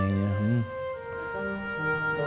dewa luar biasa